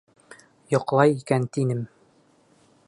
Йоҡлай икән тинем...